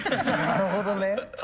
なるほどね。